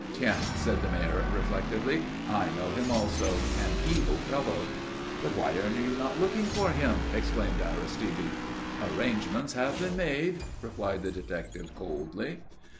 "Tiens!" said the Mayor, reflectively. "I know him also, an evil fellow." "But why are you not looking for him?" exclaimed Aristide. "Arrangements have been made," replied the detective coldly.